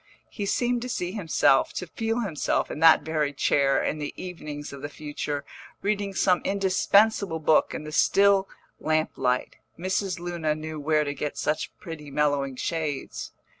He seemed to see himself, to feel himself, in that very chair, in the evenings of the future, reading some indispensable book in the still lamp light Mrs. Luna knew where to get such pretty mellowing shades.